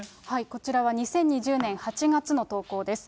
こちらは２０２０年８月の投稿です。